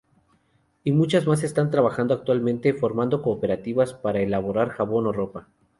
Y muchas más están trabajando actualmente, formando cooperativas para elaborar jabón o ropa".